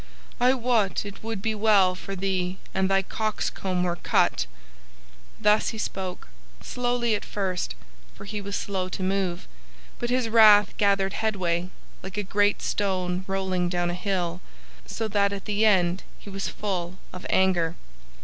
I wot it would be well for thee an thy cock's comb were cut!" Thus he spoke, slowly at first, for he was slow to move; but his wrath gathered headway like a great stone rolling down a hill, so that at the end he was full of anger.